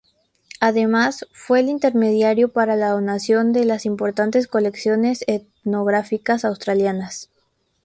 Además, fue el intermediario para la donación de las importantes colecciones etnográficas australianas.